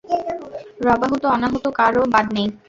রবাহূত অনাহূত কারো বাদ নেই।